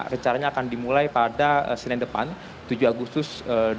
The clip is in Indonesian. rencananya akan dimulai pada senin depan tujuh agustus dua ribu dua puluh